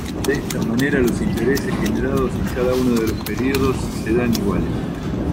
De esta manera los intereses generados en cada uno de los períodos serán iguales.